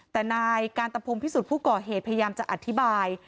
แต่นายการตะพงพิสุทธิ์ผู้ก่อเหตุพยายามจะอธิบาย